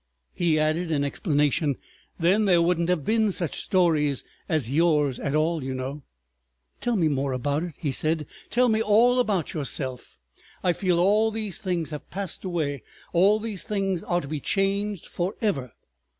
He added in explanation, "Then there wouldn't have been such stories as yours at all, you know. ..." "Tell me more about it," he said, "tell me all about yourself. I feel all these things have passed away, all these things are to be changed for ever.